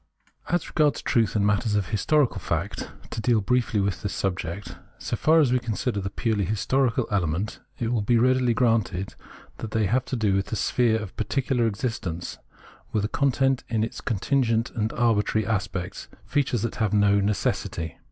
As regards truth in matters of historical fact — to deal briefly with this subject — so far as we consider the purely historical element, it will be readily granted that they have to do with the sphere of particular existence, with a content in its contingent and arbitrary aspects, features that have no necessity.